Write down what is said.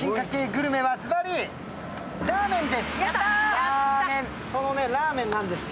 グルメはずばりラーメンです。